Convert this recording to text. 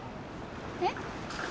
えっ？